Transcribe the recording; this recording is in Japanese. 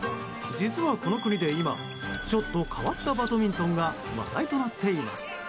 実は、この国で今ちょっと変わったバドミントンが話題となっています。